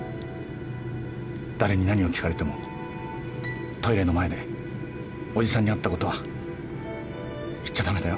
だれに何を聞かれてもトイレの前でおじさんに会ったことは言っちゃ駄目だよ。